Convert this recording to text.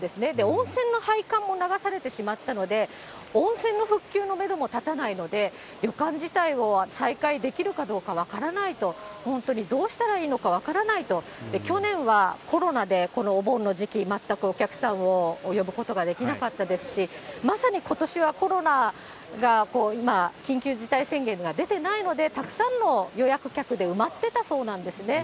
温泉の配管も流されてしまったので、温泉の復旧のメドも立たないので、旅館自体を再開できるかどうか分からないと、本当にどうしたらいいか分からないと、去年はコロナで、このお盆の時期、全くお客さんを呼ぶことができなかったですし、まさにことしはコロナが今、緊急事態宣言が出ていないので、たくさんの予約客で埋まってたそうなんですね。